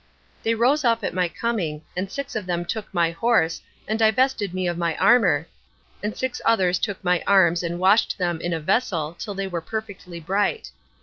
They rose up at my coming, and six of them took my horse, and divested me of my armor, and six others took my arms and washed them in a vessel till they were perfectly bright.